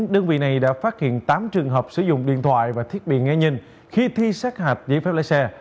đơn vị này đã phát hiện tám trường hợp sử dụng điện thoại và thiết bị nghe nhìn khi thi sát hạch giấy phép lấy xe